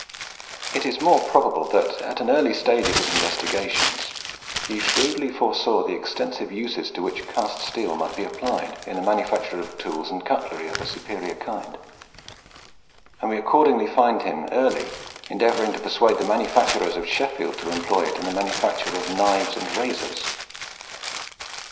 It is more probable that at an early stage of his investigations he shrewdly foresaw the extensive uses to which cast steel might be applied in the manufacture of tools and cutlery of a superior kind; and we accordingly find him early endeavouring to persuade the manufacturers of Sheffield to employ it in the manufacture of knives and razors.